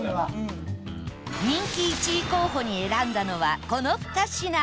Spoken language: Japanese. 人気１位候補に選んだのはこの２品